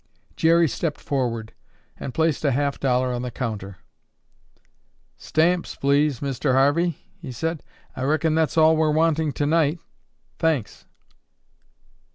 Jerry stepped forward and placed a half dollar on the counter. "Stamps, please, Mr. Harvey," he said. "I reckon that's all we're wanting tonight, thanks."